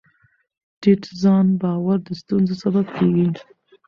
ټیټ ځان باور د ستونزو سبب کېږي.